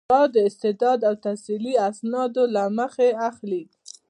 دا د استعداد او تحصیلي اسنادو له مخې اخلي.